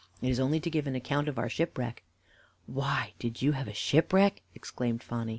It is only to give an account of our shipwreck." "Why, did you have a shipwreck?" exclaimed Phonny.